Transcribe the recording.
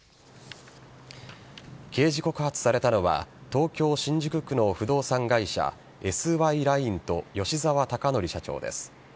刑事告発されたのは東京・新宿区の不動産会社ＳＹＬｉｎｅと吉澤孝典社長です。